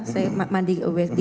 saya mandi di wc polisi